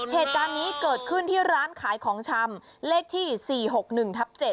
เหตุการณ์นี้เกิดขึ้นที่ร้านขายของชำเลขที่๔๖๑ทับ๗